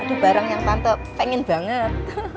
aduh bareng yang tante pengen banget